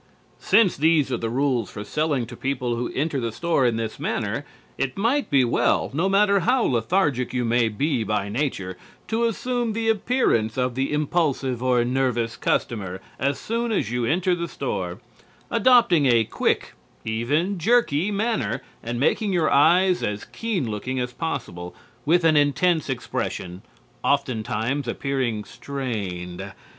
Since these are the rules for selling to people who enter the store in this manner, it might be well, no matter how lethargic you may be by nature, to assume the appearance of the Impulsive or Nervous Customer as soon as you enter the store, adopting a quick, even jerky manner and making your eyes as keen looking as possible, with an intense expression, oftentimes appearing strained.